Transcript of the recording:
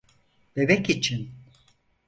Bebek için.